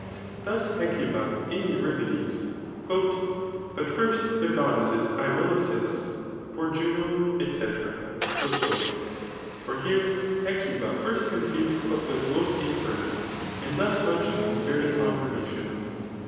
; (Thus Hecuba in Euripicles^l But first the goddesses I will assist; For Juno, &c. For here Hecuba first confutes what was most infirm. And thus much concerning confirmation.